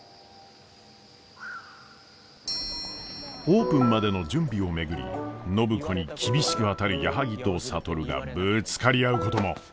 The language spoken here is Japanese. オープンまでの準備を巡り暢子に厳しく当たる矢作と智がぶつかり合うことも。